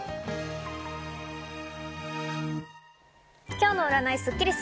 今日の占いスッキリす。